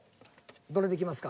どれでいきますか？